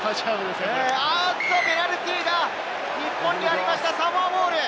ペナルティーが日本にありました、サモアボール。